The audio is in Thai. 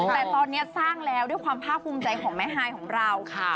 แต่ตอนนี้สร้างแล้วด้วยความภาคภูมิใจของแม่ฮายของเราค่ะ